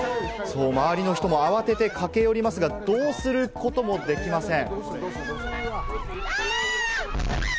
周りの人も慌てて駆け寄りますが、どうすることもできません。